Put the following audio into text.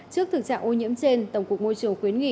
trước thực trạng ô nhiễm trên tổng cục môi trường khuyến nghị